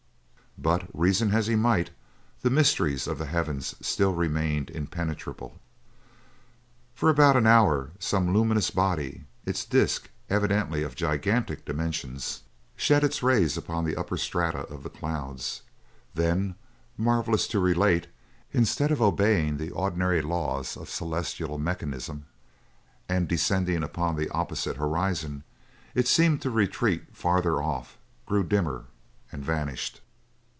But, reason as he might, the mysteries of the heavens still remained impenetrable. For about an hour some luminous body, its disc evidently of gigantic dimensions, shed its rays upon the upper strata of the clouds; then, marvelous to relate, instead of obeying the ordinary laws of celestial mechanism, and descending upon the opposite horizon, it seemed to retreat farther off, grew dimmer, and vanished.